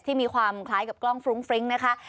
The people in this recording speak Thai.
มีความคล้ายกับกล้องฟรุ้งฟริ้งนะคะ